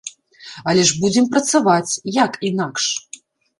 Але ж будзем працаваць, як інакш?